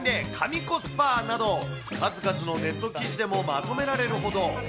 絶品で神コスパなど、数々のネット記事でもまとめられるほど。